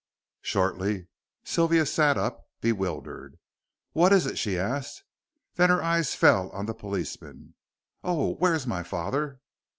Shortly Sylvia sat up, bewildered. "What is it?" she asked. Then her eyes fell on the policeman. "Oh, where is my father?"